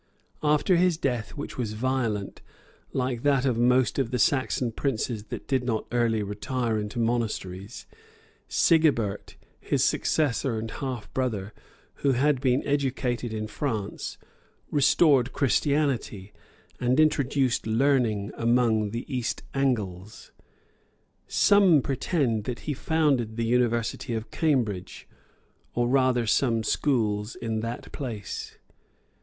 After his death, which was violent, like that of most of the Saxon princes that did not early retire into monasteries, Sigebert, his successor and half brother, who had been educated in France, restored Christianity, and introduced learning among the East Angles. Some pretend that he founded the university of Cambridge, or rather some schools in that place.